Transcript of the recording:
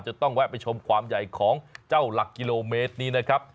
จะต้องแวะไปชมความใหญ่ของเจ้าหลักกิโลเมตรนี้นะครับ